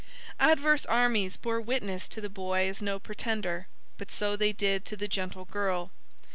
Adverse armies bore witness to the boy as no pretender: but so they did to the gentle girl.